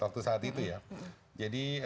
waktu saat itu ya jadi